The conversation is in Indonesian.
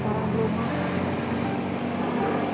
kurang lebih lumayan lah